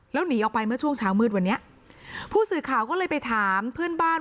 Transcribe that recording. แล้วหนีออกไปเมื่อช่วงเช้ามืดวันนี้ผู้สื่อข่าวก็เลยไปถามเพื่อนบ้าน